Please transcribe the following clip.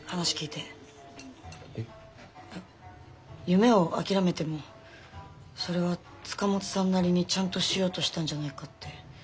夢を諦めてもそれは塚本さんなりにちゃんとしようとしたんじゃないかって。